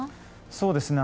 そうですね。